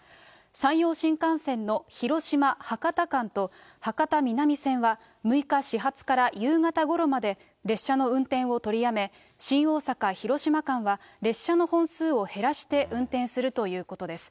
山陽新幹線の広島・博多間と、博多南線は６日始発から夕方ごろまで、列車の運転を取りやめ、新大阪・広島間は列車の本数を減らして運転するということです。